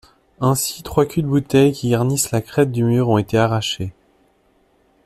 Ainsi, trois culs de bouteille qui garnissent la crête du mur ont été arrachés.